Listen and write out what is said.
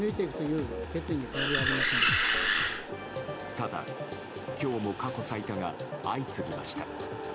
ただ今日も過去最多が相次ぎました。